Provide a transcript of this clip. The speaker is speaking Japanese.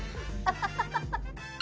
ハハハハ。